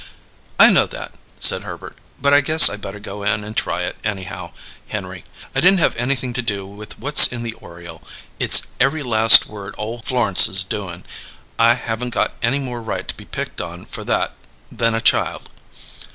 "I know that," said Herbert. "But I guess I better go in and try it, anyhow, Henry. I didn't have anything to do with what's in the Oriole. It's every last word ole Florence's doing. I haven't got any more right to be picked on for that than a child."